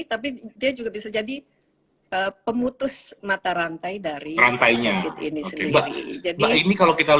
tapi dia juga bisa jadi pemutus mata rantai dari penyakit ini sendiri